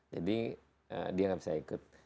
jadi dia gak bisa ikut